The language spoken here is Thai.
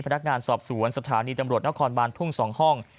พนักงานสอบสวนสถานีตำรวจนครบานทุ่ง๒ห้อง